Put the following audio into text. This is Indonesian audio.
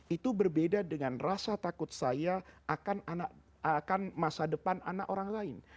itu berbeda dengan rasa takut saya akan masa depan anak orang lain